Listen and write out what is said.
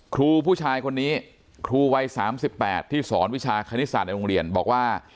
ครูผู้ชายคนนี้ครูวัย๓๘ที่สอนวิชาคณิตศาสตร์ในโรงเรียนบอกว่า